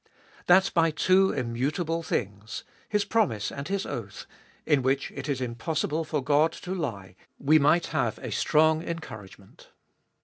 That by two immutable things — His promise and His oath — in which it is impossible for God to lie, we might have a toollest of HU 221 strong encouragement.